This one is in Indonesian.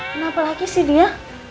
kenapa lagi sih dia